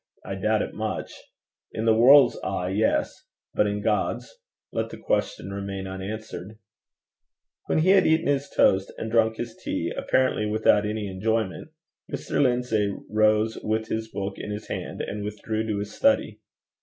I doubt it much. In the world's eye, yes; but in God's? Let the question remain unanswered. When he had eaten his toast, and drunk his tea, apparently without any enjoyment, Mr. Lindsay rose with his book in his hand, and withdrew to his study.